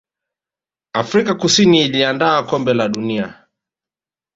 afrika kusini iliandaa kombe la dunia